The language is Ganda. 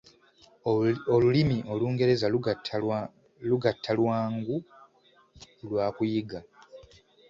Olulimi Olungereza lugatta lwangu lwa kuyiga.